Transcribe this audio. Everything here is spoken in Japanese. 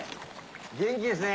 元気ですね。